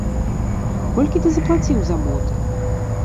Колькі ты заплаціў за боты?